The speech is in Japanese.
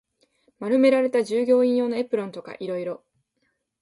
丸められた従業員用のエプロンとか色々